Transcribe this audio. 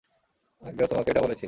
আগেও তোমাকে এটা বলেছি।